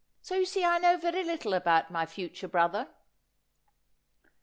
So you see I know very little about my future brother.'